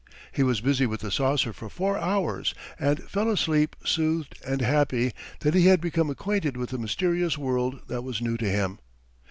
He was busy with the saucer for four hours, and fell asleep soothed and happy that he had become acquainted with a mysterious world that was new to him.